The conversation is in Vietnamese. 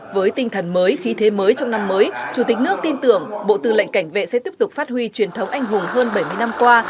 với tinh thần mới khí thế mới trong năm mới chủ tịch nước tin tưởng bộ tư lệnh cảnh vệ sẽ tiếp tục phát huy truyền thống anh hùng hơn bảy mươi năm qua